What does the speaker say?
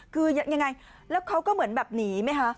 คือยังไงแล้วเขาก็เหมือนแบบหนีไหมคะ